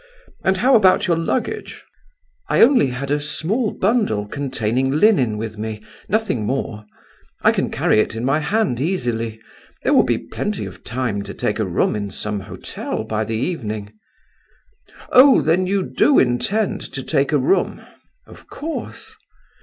And how about your luggage?" "I only had a small bundle, containing linen, with me, nothing more. I can carry it in my hand, easily. There will be plenty of time to take a room in some hotel by the evening." "Oh, then you do intend to take a room?" "Of course."